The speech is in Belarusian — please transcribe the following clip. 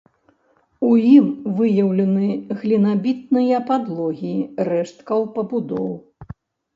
У ім выяўлены глінабітныя падлогі рэшткаў пабудоў.